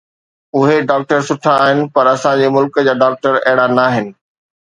اهي ڊاڪٽر سٺا آهن، پر اسان جي ملڪ جا ڊاڪٽر اهڙا ناهن